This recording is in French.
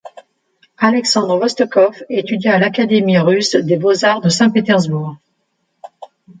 Alexandre Vostokov étudia à l'Académie russe des beaux-arts de Saint-Pétersbourg.